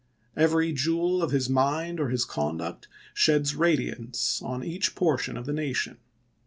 Every jewel of his mind or his conduct sheds radiance on each portion of the nation.